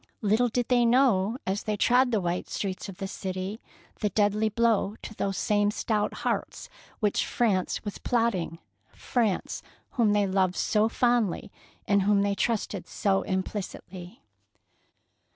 Little did they know, as they trod the white streets of the city, the deadly blow to those same stout hearts which France was plotting, — France, whom they loved so fondly and in whom they trusted so implicitly.